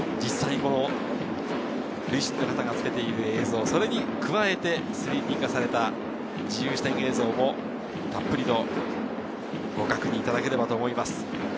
塁審の方がつけている映像、それに加えて３Ｄ化された自由視点映像もたっぷりとご確認いただければと思います。